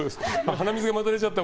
鼻水がまた出ちゃった。